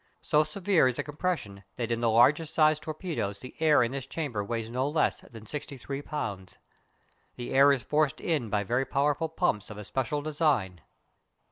So severe is the compression that in the largest sized torpedoes the air in this chamber weighs no less than 63 lbs. The air is forced in by very powerful pumps of a special design.